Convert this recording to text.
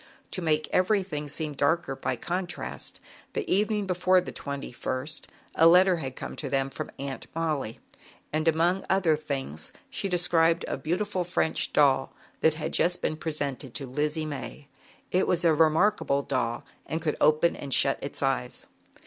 To make everything seem darker by contrast, the evening before the 2ist a letter had come to them from Aunt Molly, and among other things, she described a beautiful French doll that had just been presented to Lizzie May. It was a remarkable doll and could open and shut its eyes.